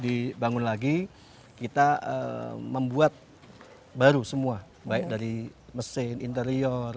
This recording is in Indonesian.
orang suka mengambil gambar dengannya